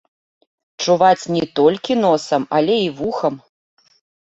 Чуваць не толькі носам, але і вухам.